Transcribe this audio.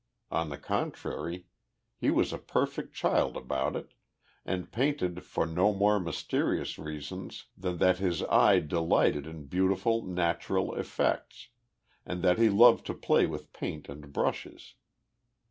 On the contrary, he was a perfect child about it, and painted for no more mysterious reason than that his eye delighted in beautiful natural effects, and that he loved to play with paint and brushes.